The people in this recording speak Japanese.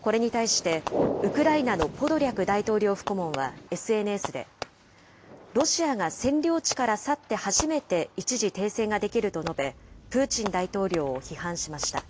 これに対して、ウクライナのポドリャク大統領府顧問はＳＮＳで、ロシアが占領地から去って初めて一時停戦ができると述べ、プーチン大統領を批判しました。